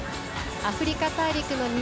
アフリカ大陸の西